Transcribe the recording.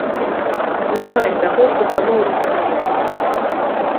Не гань таго, што само ў рукі даецца.